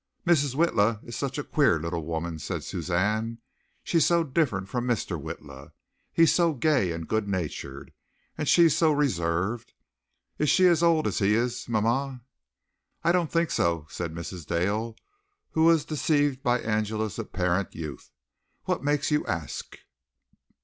"Mrs. Witla is such a queer little woman," said Suzanne. "She's so different from Mr. Witla. He's so gay and good natured, and she's so reserved. Is she as old as he is, mama?" "I don't think so," said Mrs. Dale, who was deceived by Angela's apparent youth. "What makes you ask?"